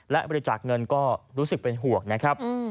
และบริจาคเงินก็รู้สึกเป็นห่วงนะครับ